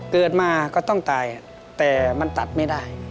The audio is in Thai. เกิดมาก็ต้องตายแต่มันตัดไม่ได้